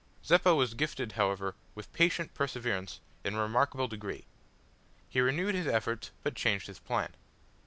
Zeppa was gifted, however, with patient perseverance in a remarkable degree. He renewed his efforts, but changed his plan.